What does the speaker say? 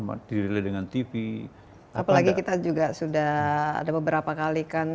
berdiri dengan tv apalagi kita juga sudah ada beberapa kali kan